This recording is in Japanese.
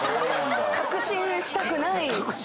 確信したくない。